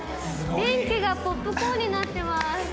電気がポップコーンになってます。